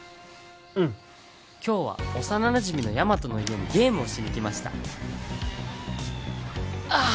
うん今日は幼なじみのヤマトの家にゲームをしに来ましたあっ